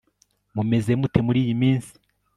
mumeze mute muriyi minsi